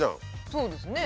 そうですね。